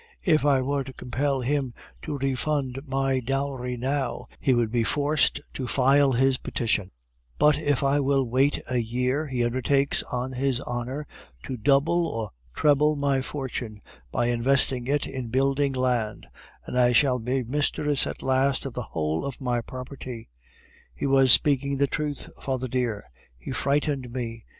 If I were to compel him to refund my dowry now, he would be forced to file his petition; but if I will wait a year, he undertakes, on his honor, to double or treble my fortune, by investing it in building land, and I shall be mistress at last of the whole of my property. He was speaking the truth, father dear; he frightened me!